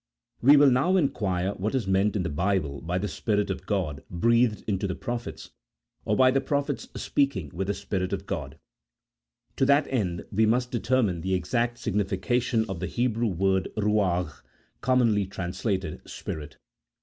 We will now inquire what is meant in the Bible by the Spirit of God breathed into the pro phets, or by the prophets speaking with the Spirit of God ; to that end we must determine the exact signification of the Hebrew word ruagli, commonly translated spirit.